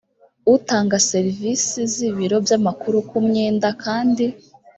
utanga serivisi z ibiro by amakuru ku myenda kandi